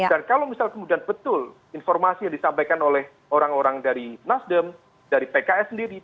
dan kalau misalnya kemudian betul informasi yang disampaikan orang orang dari nasdem dari pks sendiri